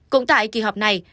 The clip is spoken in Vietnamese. cũng tại kỳ họp này